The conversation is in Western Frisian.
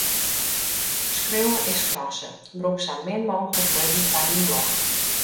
Skriuwe is skrasse: brûk sa min mooglik wurden foar dyn blog.